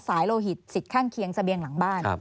สายโลหิตสิทธิ์ข้างเคียงสะเบียงหลังบ้าน